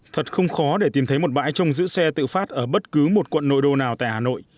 thật không khó để tìm thấy một bãi trong giữ xe tự phát ở bất cứ một quận nội đô nào tại hà nội